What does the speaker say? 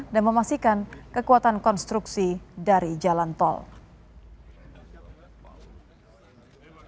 dan memastikan kekuatan konstruksi dari jalan tol